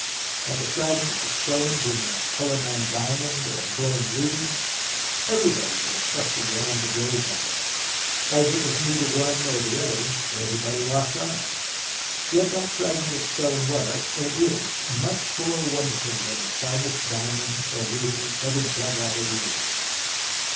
Had the fragment of stone been the CuUinan diamond or a glowing ruby, everybody would have clustered round to gaze at it. As it was neither one nor the other, everybody walked on. Yet that fragment of stone was, and is, much more wonderful than the finest diamond or ruby ever dug out of the earth.